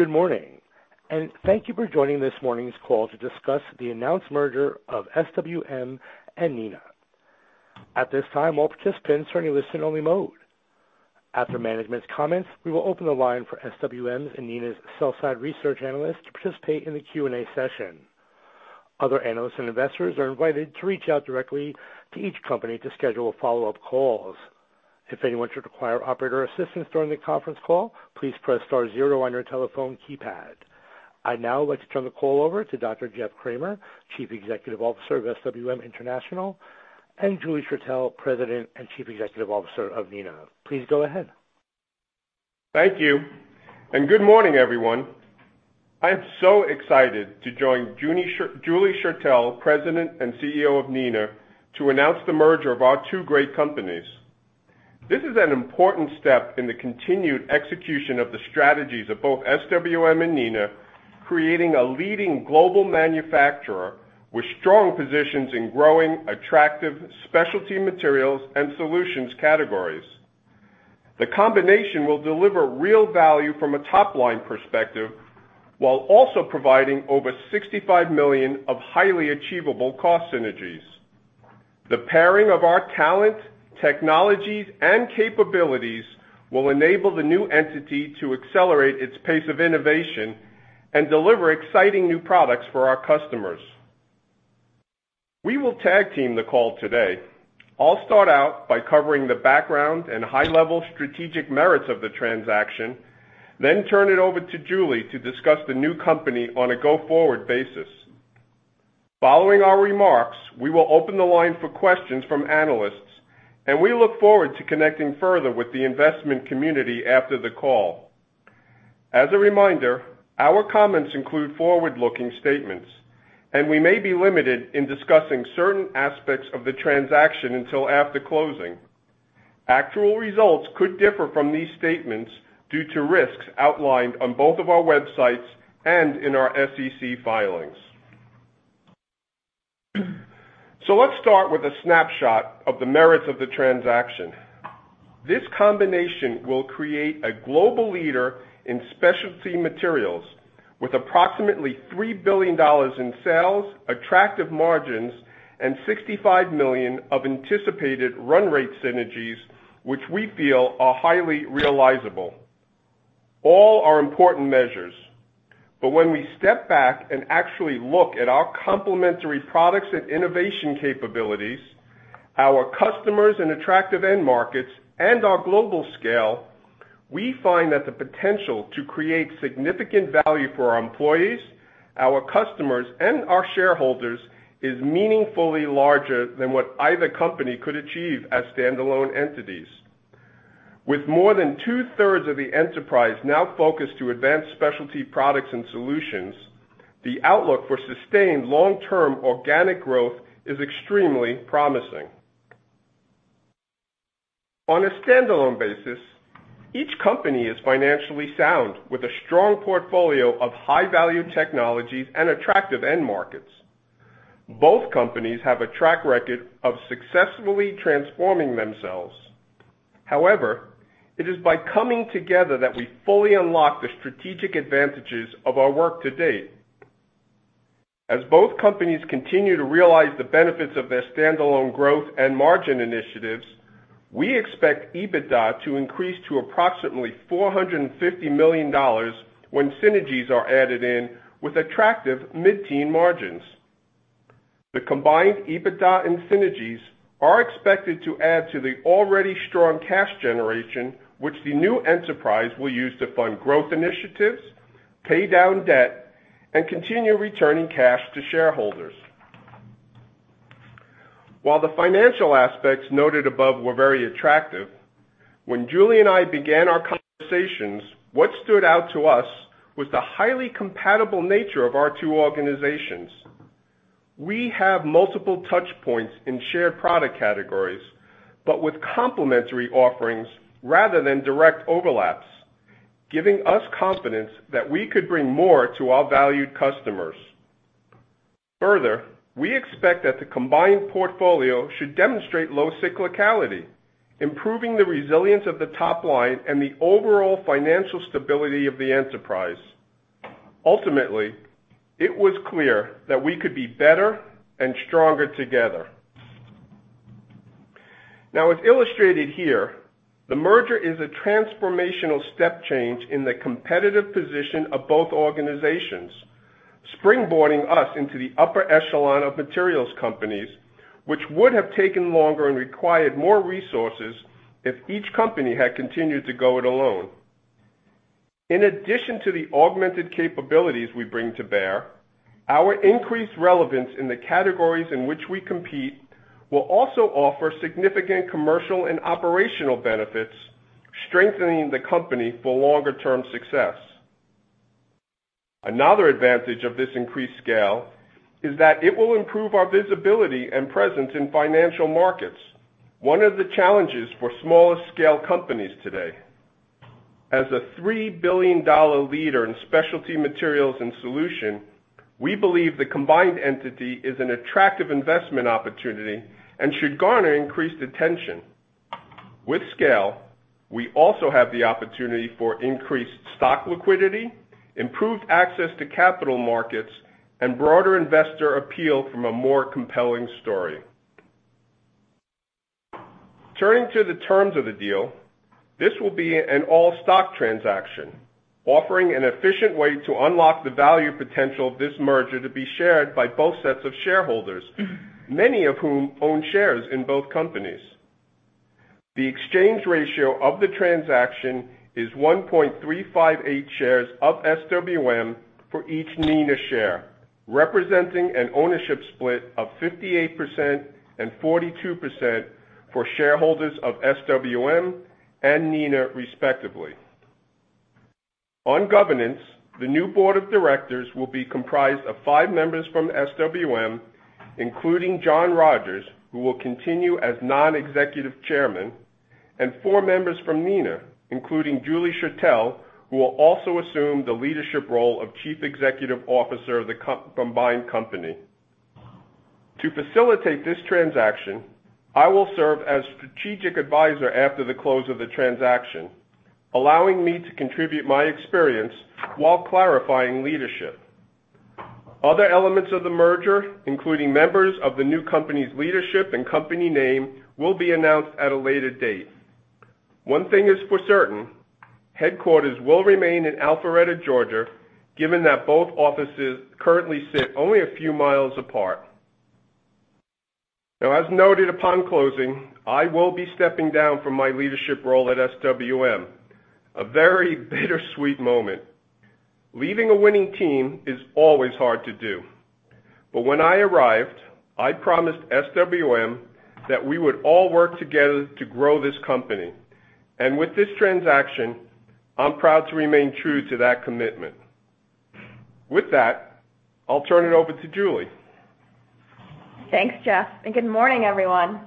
Good morning, and thank you for joining this morning's call to discuss the announced merger of SWM and Neenah. At this time, all participants are in listen-only mode. After management's comments, we will open the line for SWM's and Neenah's sell-side research analysts to participate in the Q&A session. Other analysts and investors are invited to reach out directly to each company to schedule follow-up calls. If anyone should require operator assistance during the conference call, please press star zero on your telephone keypad. I'd now like to turn the call over to Dr. Jeff Kramer, Chief Executive Officer of SWM International, and Julie Schertell, President and Chief Executive Officer of Neenah. Please go ahead. Thank you, and good morning, everyone. I'm so excited to join Julie Schertell, President and CEO of Neenah, to announce the merger of our two great companies. This is an important step in the continued execution of the strategies of both SWM and Neenah, creating a leading global manufacturer with strong positions in growing attractive specialty materials and solutions categories. The combination will deliver real value from a top-line perspective while also providing over $65 million of highly achievable cost synergies. The pairing of our talent, technologies, and capabilities will enable the new entity to accelerate its pace of innovation and deliver exciting new products for our customers. We will tag-team the call today. I'll start out by covering the background and high-level strategic merits of the transaction, then turn it over to Julie to discuss the new company on a go-forward basis. Following our remarks, we will open the line for questions from analysts, and we look forward to connecting further with the investment community after the call. As a reminder, our comments include forward-looking statements, and we may be limited in discussing certain aspects of the transaction until after closing. Actual results could differ from these statements due to risks outlined on both of our websites and in our SEC filings. Let's start with a snapshot of the merits of the transaction. This combination will create a global leader in specialty materials with approximately $3 billion in sales, attractive margins, and $65 million of anticipated run rate synergies, which we feel are highly realizable. All are important measures. When we step back and actually look at our complementary products and innovation capabilities, our customers and attractive end markets, and our global scale, we find that the potential to create significant value for our employees, our customers, and our shareholders is meaningfully larger than what either company could achieve as standalone entities. With more than 2/3 of the enterprise now focused to advance specialty products and solutions, the outlook for sustained long-term organic growth is extremely promising. On a standalone basis, each company is financially sound with a strong portfolio of high-value technologies and attractive end markets. Both companies have a track record of successfully transforming themselves. However, it is by coming together that we fully unlock the strategic advantages of our work to date. As both companies continue to realize the benefits of their standalone growth and margin initiatives, we expect EBITDA to increase to approximately $450 million when synergies are added in, with attractive mid-teen margins. The combined EBITDA and synergies are expected to add to the already strong cash generation, which the new enterprise will use to fund growth initiatives, pay down debt, and continue returning cash to shareholders. While the financial aspects noted above were very attractive, when Julie and I began our conversations, what stood out to us was the highly compatible nature of our two organizations. We have multiple touch points in shared product categories, but with complementary offerings rather than direct overlaps, giving us confidence that we could bring more to our valued customers. Further, we expect that the combined portfolio should demonstrate low cyclicality, improving the resilience of the top line and the overall financial stability of the enterprise. Ultimately, it was clear that we could be better and stronger together. Now, as illustrated here, the merger is a transformational step change in the competitive position of both organizations, springboarding us into the upper echelon of materials companies, which would have taken longer and required more resources if each company had continued to go it alone. In addition to the augmented capabilities we bring to bear, our increased relevance in the categories in which we compete will also offer significant commercial and operational benefits, strengthening the company for longer-term success. Another advantage of this increased scale is that it will improve our visibility and presence in financial markets, one of the challenges for smaller-scale companies today. As a $3 billion leader in specialty materials and solution, we believe the combined entity is an attractive investment opportunity and should garner increased attention. With scale, we also have the opportunity for increased stock liquidity, improved access to capital markets, and broader investor appeal from a more compelling story. Turning to the terms of the deal, this will be an all-stock transaction, offering an efficient way to unlock the value potential of this merger to be shared by both sets of shareholders, many of whom own shares in both companies. The exchange ratio of the transaction is 1.358 shares of SWM for each Neenah share, representing an ownership split of 58% and 42% for shareholders of SWM and Neenah respectively. On governance, the new board of directors will be comprised of five members from SWM, including John Rogers, who will continue as Non-Executive Chairman, and four members from Neenah, including Julie Schertell, who will also assume the leadership role of Chief Executive Officer of the combined company. To facilitate this transaction, I will serve as Strategic Advisor after the close of the transaction, allowing me to contribute my experience while clarifying leadership. Other elements of the merger, including members of the new company's leadership and company name, will be announced at a later date. One thing is for certain, headquarters will remain in Alpharetta, Georgia, given that both offices currently sit only a few miles apart. Now, as noted upon closing, I will be stepping down from my leadership role at SWM, a very bittersweet moment. Leaving a winning team is always hard to do. When I arrived, I promised SWM that we would all work together to grow this company. With this transaction, I'm proud to remain true to that commitment. With that, I'll turn it over to Julie Schertell. Thanks, Jeff, and good morning, everyone.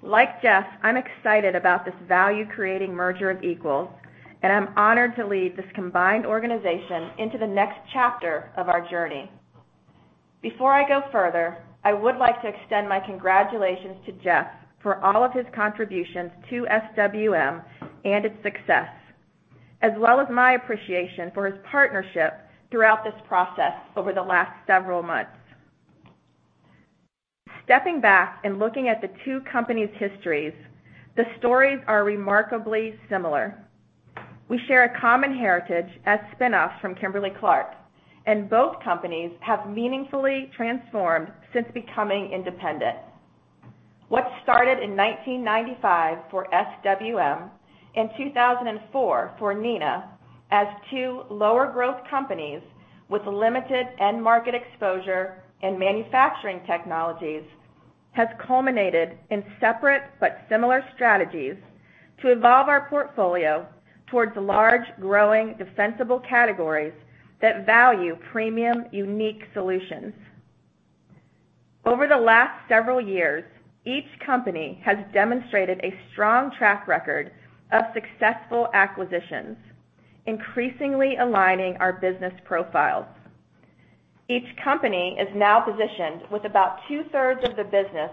Like Jeff, I'm excited about this value-creating merger of equals, and I'm honored to lead this combined organization into the next chapter of our journey. Before I go further, I would like to extend my congratulations to Jeff for all of his contributions to SWM and its success, as well as my appreciation for his partnership throughout this process over the last several months. Stepping back and looking at the two companies' histories, the stories are remarkably similar. We share a common heritage as spinoffs from Kimberly-Clark, and both companies have meaningfully transformed since becoming independent. What started in 1995 for SWM, in 2004 for Neenah, as two lower-growth companies with limited end market exposure and manufacturing technologies, has culminated in separate but similar strategies to evolve our portfolio towards large, growing, defensible categories that value premium, unique solutions. Over the last several years, each company has demonstrated a strong track record of successful acquisitions, increasingly aligning our business profiles. Each company is now positioned with about 2/3 of the business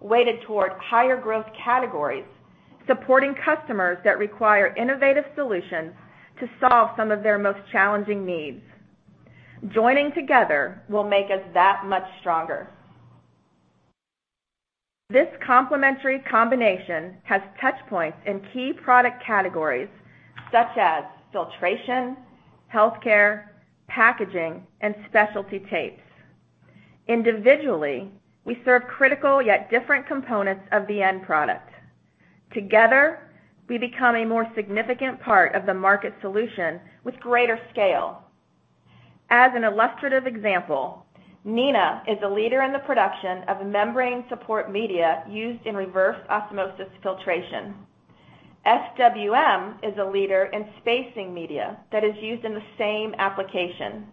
weighted toward higher-growth categories, supporting customers that require innovative solutions to solve some of their most challenging needs. Joining together will make us that much stronger. This complementary combination has touchpoints in key product categories such as filtration, healthcare, packaging, and specialty tapes. Individually, we serve critical yet different components of the end product. Together, we become a more significant part of the market solution with greater scale. As an illustrative example, Neenah is a leader in the production of membrane support media used in reverse osmosis filtration. SWM is a leader in spacing media that is used in the same application.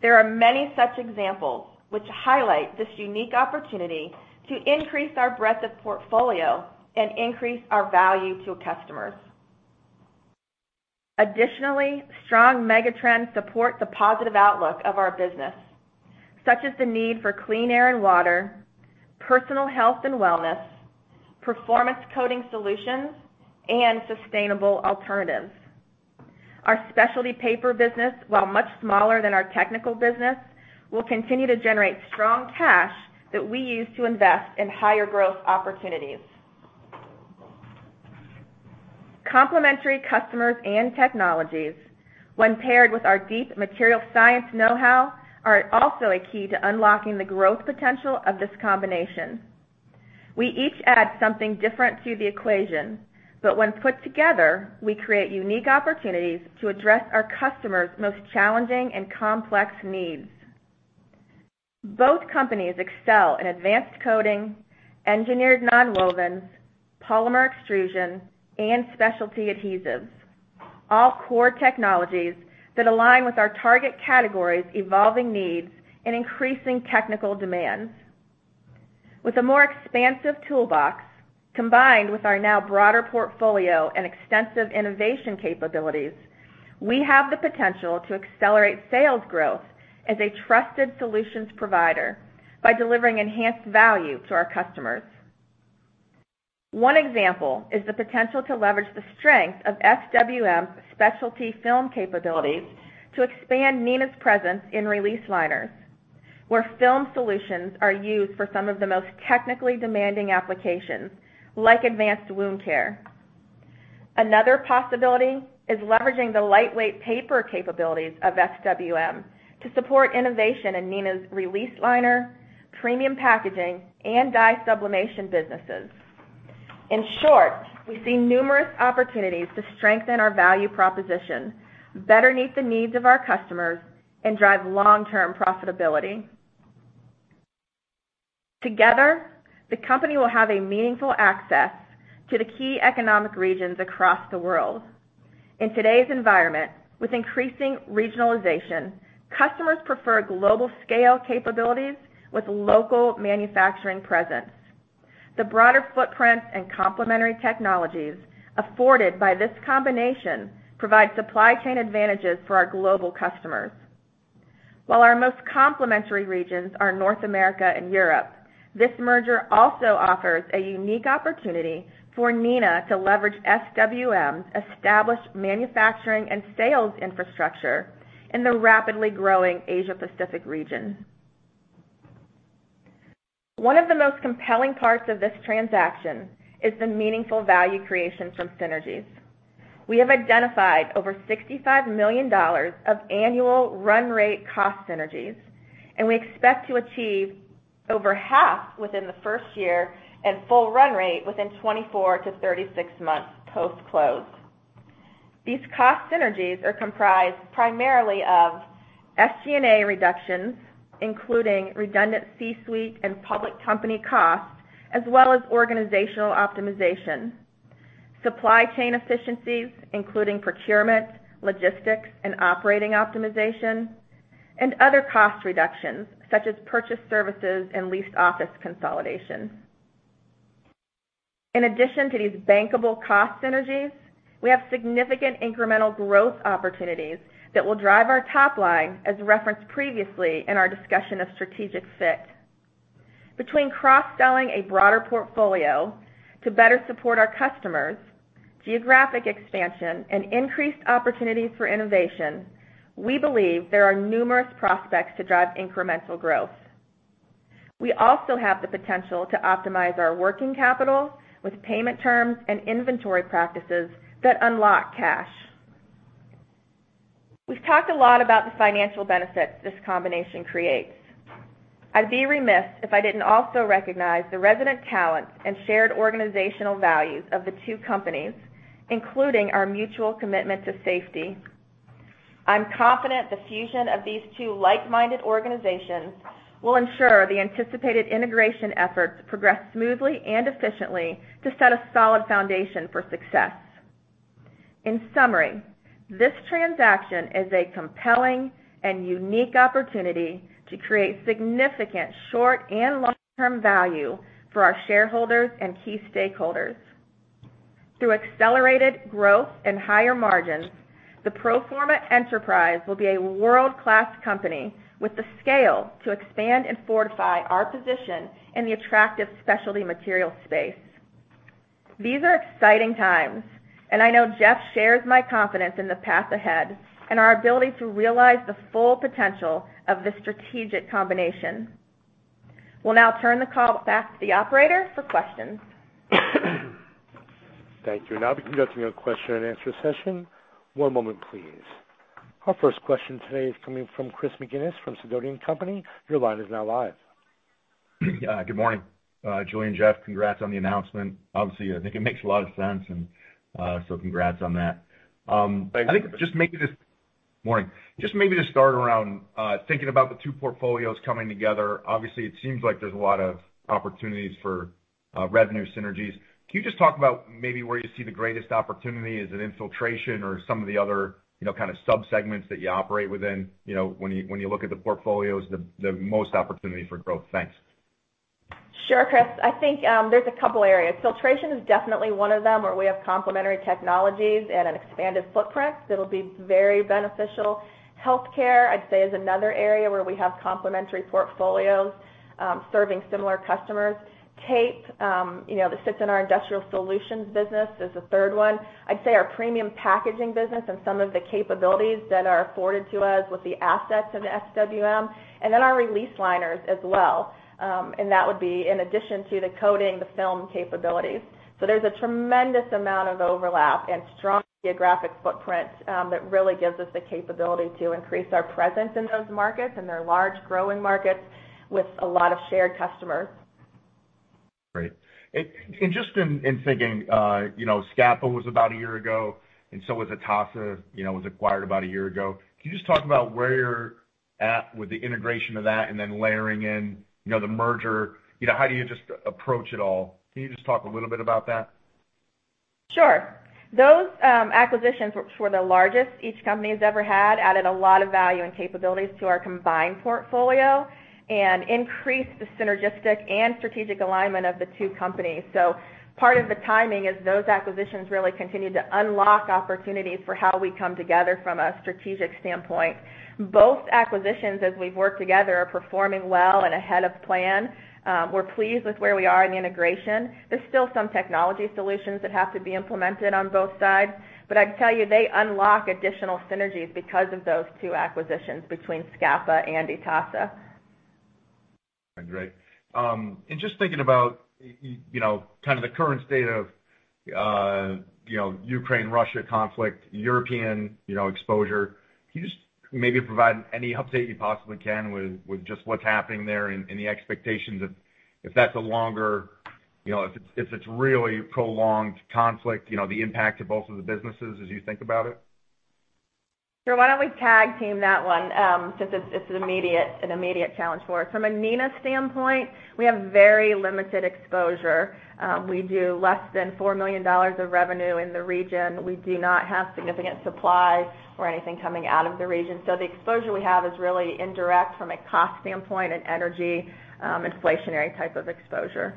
There are many such examples which highlight this unique opportunity to increase our breadth of portfolio and increase our value to customers. Additionally, strong megatrends support the positive outlook of our business, such as the need for clean air and water, personal health and wellness, performance coating solutions, and sustainable alternatives. Our specialty paper business, while much smaller than our technical business, will continue to generate strong cash that we use to invest in higher-growth opportunities. Complementary customers and technologies, when paired with our deep material science know-how, are also a key to unlocking the growth potential of this combination. We each add something different to the equation, but when put together, we create unique opportunities to address our customers' most challenging and complex needs. Both companies excel in advanced coating, engineered nonwovens, polymer extrusion, and specialty adhesives, all core technologies that align with our target categories' evolving needs and increasing technical demands. With a more expansive toolbox, combined with our now broader portfolio and extensive innovation capabilities. We have the potential to accelerate sales growth as a trusted solutions provider by delivering enhanced value to our customers. One example is the potential to leverage the strength of SWM's specialty film capabilities to expand Neenah's presence in release liners, where film solutions are used for some of the most technically demanding applications, like advanced wound care. Another possibility is leveraging the lightweight paper capabilities of SWM to support innovation in Neenah's release liner, premium packaging, and dye sublimation businesses. In short, we see numerous opportunities to strengthen our value proposition, better meet the needs of our customers, and drive long-term profitability. Together, the company will have a meaningful access to the key economic regions across the world. In today's environment, with increasing regionalization, customers prefer global scale capabilities with local manufacturing presence. The broader footprint and complementary technologies afforded by this combination provide supply chain advantages for our global customers. While our most complementary regions are North America and Europe, this merger also offers a unique opportunity for Neenah to leverage SWM's established manufacturing and sales infrastructure in the rapidly growing Asia-Pacific region. One of the most compelling parts of this transaction is the meaningful value creation from synergies. We have identified over $65 million of annual run rate cost synergies, and we expect to achieve over half within the first year and full run rate within 24-36 months post-close. These cost synergies are comprised primarily of SG&A reductions, including redundant C-suite and public company costs, as well as organizational optimization, supply chain efficiencies, including procurement, logistics, and operating optimization, and other cost reductions, such as purchase services and leased office consolidation. In addition to these bankable cost synergies, we have significant incremental growth opportunities that will drive our top line, as referenced previously in our discussion of strategic fit. Between cross-selling a broader portfolio to better support our customers, geographic expansion, and increased opportunities for innovation, we believe there are numerous prospects to drive incremental growth. We also have the potential to optimize our working capital with payment terms and inventory practices that unlock cash. We've talked a lot about the financial benefits this combination creates. I'd be remiss if I didn't also recognize the resident talent and shared organizational values of the two companies, including our mutual commitment to safety. I'm confident the fusion of these two like-minded organizations will ensure the anticipated integration efforts progress smoothly and efficiently to set a solid foundation for success. In summary, this transaction is a compelling and unique opportunity to create significant short and long-term value for our shareholders and key stakeholders. Through accelerated growth and higher margins, the pro forma enterprise will be a world-class company with the scale to expand and fortify our position in the attractive specialty material space. These are exciting times, and I know Jeff shares my confidence in the path ahead and our ability to realize the full potential of this strategic combination. We'll now turn the call back to the operator for questions. Thank you. Now we can go to your question and answer session. One moment, please. Our first question today is coming from Chris McGinnis from Sidoti & Company. Your line is now live. Good morning. Julie and Jeff, congrats on the announcement. Obviously, I think it makes a lot of sense, and so congrats on that. I think just maybe this Thanks. Morning. Just maybe to start around thinking about the two portfolios coming together. Obviously, it seems like there's a lot of opportunities for revenue synergies. Can you just talk about maybe where you see the greatest opportunity? Is it in filtration or some of the other, you know, kind of sub-segments that you operate within? You know, when you look at the portfolios, the most opportunity for growth. Thanks. Sure, Chris. I think, there's a couple areas. Filtration is definitely one of them, where we have complementary technologies and an expanded footprint that'll be very beneficial. Healthcare, I'd say, is another area where we have complementary portfolios, serving similar customers. Tape, you know, that sits in our Industrial Solutions business is the third one. I'd say our premium packaging business and some of the capabilities that are afforded to us with the assets of SWM, and then our release liners as well, and that would be in addition to the coating, the film capabilities. There's a tremendous amount of overlap and strong geographic footprint, that really gives us the capability to increase our presence in those markets, and they're large, growing markets with a lot of shared customers. Great. Just in thinking, you know, Scapa was about a year ago, and so was ITASA, you know, was acquired about a year ago. Can you just talk about where you're at with the integration of that and then layering in, you know, the merger? You know, how do you just approach it all? Can you just talk a little bit about that? Sure. Those acquisitions were the largest each company's ever had, added a lot of value and capabilities to our combined portfolio and increased the synergistic and strategic alignment of the two companies. Part of the timing is those acquisitions really continue to unlock opportunities for how we come together from a strategic standpoint. Both acquisitions, as we've worked together, are performing well and ahead of plan. We're pleased with where we are in the integration. There's still some technology solutions that have to be implemented on both sides, but I can tell you, they unlock additional synergies because of those two acquisitions between Scapa and ITASA. Great. Just thinking about you know, kind of the current state of, you know, Ukraine-Russia conflict, European, you know, exposure, can you just maybe provide any update you possibly can with just what's happening there and the expectations if that's a longer, you know, if it's really prolonged conflict, you know, the impact to both of the businesses as you think about it? Sure. Why don't we tag-team that one, since it's an immediate challenge for us. From a Neenah standpoint, we have very limited exposure. We do less than $4 million of revenue in the region. We do not have significant supply or anything coming out of the region. The exposure we have is really indirect from a cost standpoint and energy, inflationary type of exposure.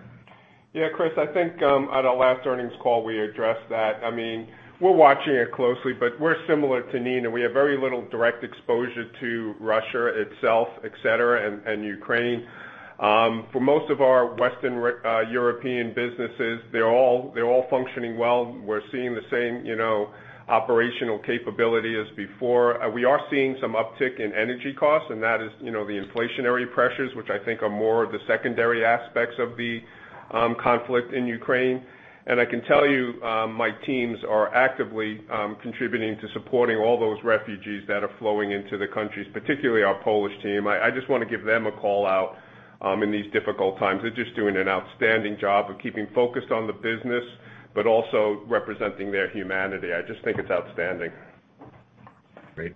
Yeah, Chris, I think on our last earnings call, we addressed that. I mean, we're watching it closely, but we're similar to Neenah. We have very little direct exposure to Russia itself, et cetera, and Ukraine. For most of our Western European businesses, they're all functioning well. We're seeing the same, you know, operational capability as before. We are seeing some uptick in energy costs, and that is, you know, the inflationary pressures, which I think are more of the secondary aspects of the conflict in Ukraine. I can tell you, my teams are actively contributing to supporting all those refugees that are flowing into the countries, particularly our Polish team. I just wanna give them a call-out in these difficult times. They're just doing an outstanding job of keeping focused on the business but also representing their humanity. I just think it's outstanding. Great.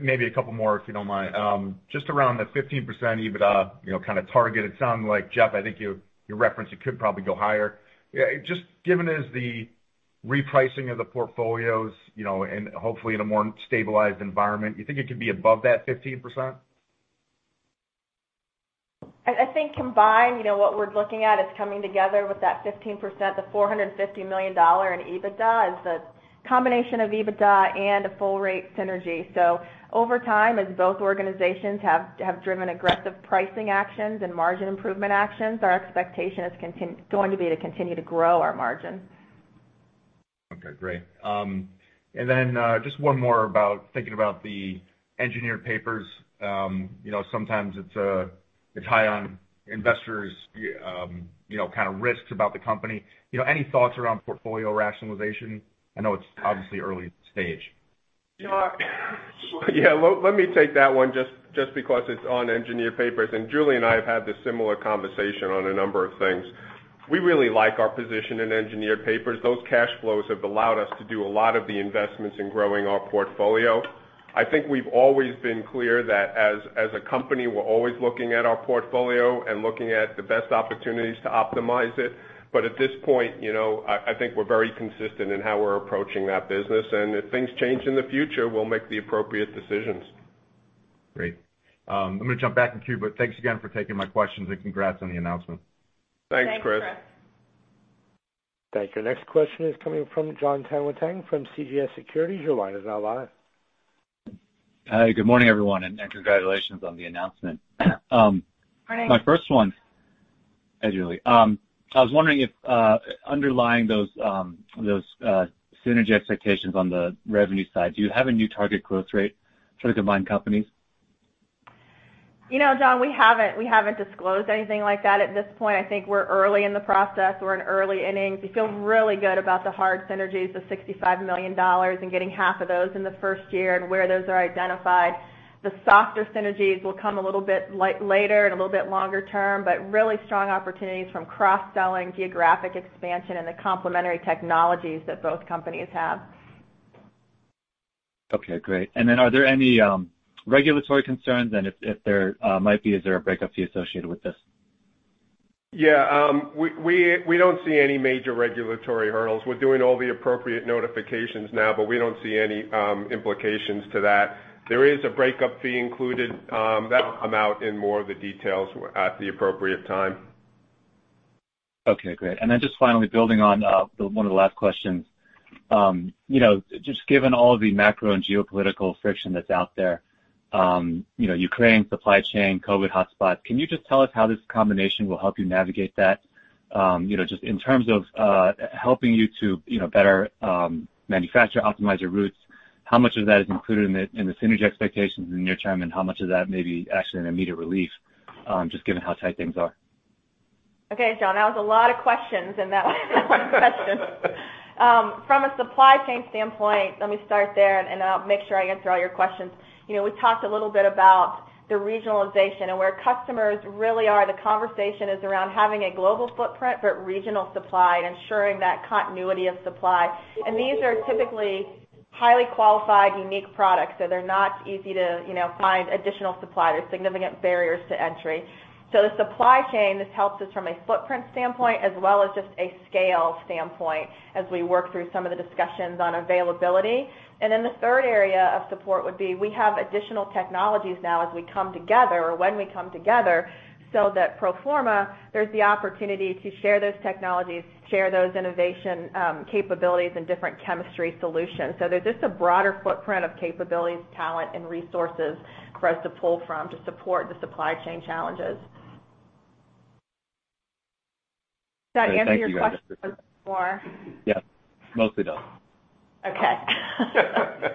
Maybe a couple more, if you don't mind. Just around the 15% EBITDA, you know, kinda target, it sounded like, Jeff, I think you referenced it could probably go higher. Yeah, just given the repricing of the portfolios, you know, and hopefully in a more stabilized environment, you think it could be above that 15%? I think combined, you know, what we're looking at is coming together with that 15%, the $450 million in EBITDA is a combination of EBITDA and a full rate synergy. Over time, as both organizations have driven aggressive pricing actions and margin improvement actions, our expectation is going to be to continue to grow our margin. Okay, great. Just one more about thinking about the engineered papers. You know, sometimes it's high on investors, you know, kind of risks about the company. You know, any thoughts around portfolio rationalization? I know it's obviously early stage. Yeah. Yeah, let me take that one just because it's on engineered papers, and Julie and I have had this similar conversation on a number of things. We really like our position in engineered papers. Those cash flows have allowed us to do a lot of the investments in growing our portfolio. I think we've always been clear that as a company, we're always looking at our portfolio and looking at the best opportunities to optimize it. But at this point, you know, I think we're very consistent in how we're approaching that business. If things change in the future, we'll make the appropriate decisions. Great. I'm gonna jump back in queue, but thanks again for taking my questions, and congrats on the announcement. Thanks, Chris. Thanks, Chris. Thank you. Next question is coming from Jon Tanwanteng from CJS Securities. Your line is now live. Hi, good morning, everyone, and congratulations on the announcement. Morning. My first one, hi, Julie. I was wondering if, underlying those synergy expectations on the revenue side, do you have a new target growth rate for the combined companies? You know, John, we haven't disclosed anything like that at this point. I think we're early in the process. We're in early innings. We feel really good about the hard synergies, the $65 million and getting half of those in the first year and where those are identified. The softer synergies will come a little bit later and a little bit longer term, but really strong opportunities from cross-selling, geographic expansion, and the complementary technologies that both companies have. Okay, great. Are there any regulatory concerns? If there might be, is there a breakup fee associated with this? Yeah, we don't see any major regulatory hurdles. We're doing all the appropriate notifications now, but we don't see any implications to that. There is a breakup fee included, that'll come out in more of the details at the appropriate time. Okay, great. Just finally, building on the one of the last questions, you know, just given all the macro and geopolitical friction that's out there, you know, Ukraine, supply chain, COVID hotspots, can you just tell us how this combination will help you navigate that? You know, just in terms of helping you to, you know, better manufacture, optimize your routes, how much of that is included in the synergy expectations in the near term, and how much of that may be actually an immediate relief, just given how tight things are? Okay, John, that was a lot of questions in that one question. From a supply chain standpoint, let me start there and I'll make sure I answer all your questions. You know, we talked a little bit about the regionalization and where customers really are. The conversation is around having a global footprint, but regional supply and ensuring that continuity of supply. These are typically highly qualified, unique products. They're not easy to, you know, find additional suppliers, significant barriers to entry. The supply chain, this helps us from a footprint standpoint as well as just a scale standpoint as we work through some of the discussions on availability. Then the third area of support would be we have additional technologies now as we come together or when we come together, so that pro forma, there's the opportunity to share those technologies, share those innovation, capabilities and different chemistry solutions. There's just a broader footprint of capabilities, talent, and resources for us to pull from to support the supply chain challenges. Did that answer your question or- Yeah. Mostly does. Okay.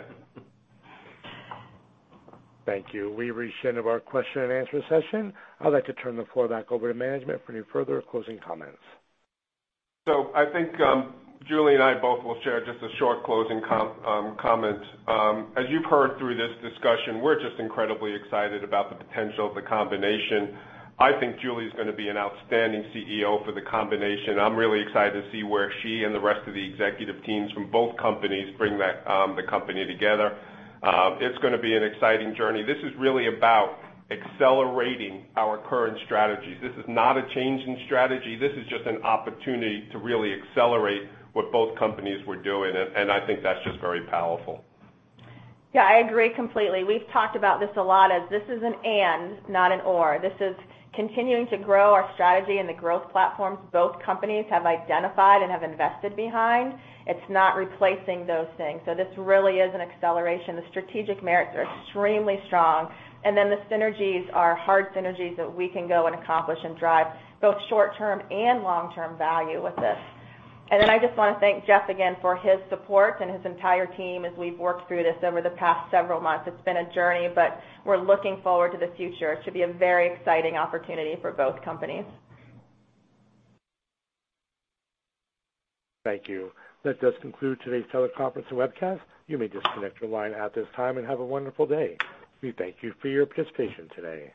Thank you. We've reached the end of our question and answer session. I'd like to turn the floor back over to management for any further closing comments. I think Julie and I both will share just a short closing comment. As you've heard through this discussion, we're just incredibly excited about the potential of the combination. I think Julie is gonna be an outstanding CEO for the combination. I'm really excited to see where she and the rest of the executive teams from both companies bring that the company together. It's gonna be an exciting journey. This is really about accelerating our current strategies. This is not a change in strategy. This is just an opportunity to really accelerate what both companies were doing, and I think that's just very powerful. Yeah, I agree completely. We've talked about this a lot as this is an and, not an or. This is continuing to grow our strategy and the growth platforms both companies have identified and have invested behind. It's not replacing those things. This really is an acceleration. The strategic merits are extremely strong. The synergies are hard synergies that we can go and accomplish and drive both short-term and long-term value with this. I just wanna thank Jeff again for his support and his entire team as we've worked through this over the past several months. It's been a journey, but we're looking forward to the future. It should be a very exciting opportunity for both companies. Thank you. That does conclude today's teleconference and webcast. You may disconnect your line at this time, and have a wonderful day. We thank you for your participation today.